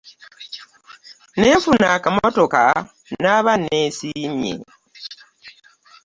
Nenfuna akamotoka naaba nesiimye.